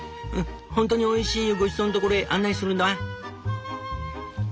ほんとにおいしいごちそうの所へ案内するんだワン」。